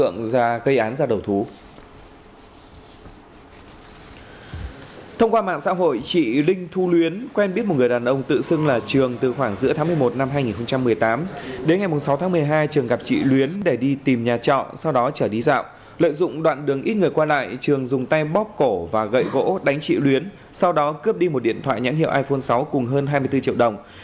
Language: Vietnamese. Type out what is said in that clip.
ngày sáu tháng một mươi hai trường gặp chị luyến để đi tìm nhà trọ sau đó trở đi dạo lợi dụng đoạn đường ít người qua lại trường dùng tay bóp cổ và gậy gỗ đánh chị luyến sau đó cướp đi một điện thoại nhãn hiệu iphone sáu cùng hơn hai mươi bốn triệu đồng